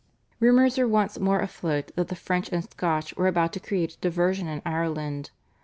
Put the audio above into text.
" Rumours were once more afloat that the French and Scotch were about to create a diversion in Ireland.